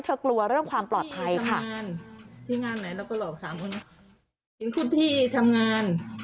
เธอกลัวเรื่องความปลอดภัยค่ะ